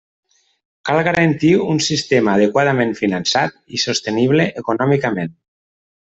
Cal garantir un sistema adequadament finançat i sostenible econòmicament.